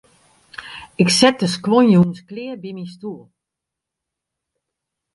Ik set de skuon jûns klear by myn stoel.